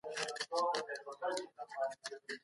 موږ له کلونو راهيسي د علم په لټه کي يو.